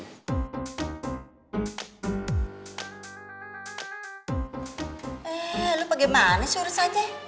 eh lo bagaimana suruh saja